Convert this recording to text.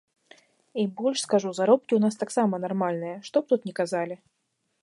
І больш скажу, заробкі ў нас таксама нармальныя, што б тут ні казалі.